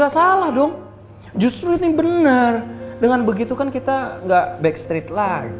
ga salah dong justru ini bener dengan begitu kan kita ga backstreet lagi